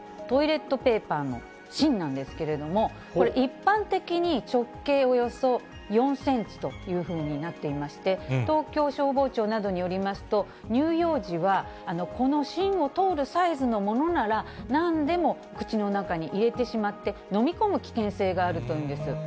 トイレットペーパーの芯なんですけれども、これ、一般的に直径およそ４センチというふうになっていまして、東京消防庁などによりますと、乳幼児はこの芯を通るサイズのものならなんでも口の中に入れてしまって、飲み込む危険性があるというんです。